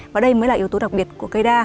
và đây mới là yếu tố đặc biệt của cây đa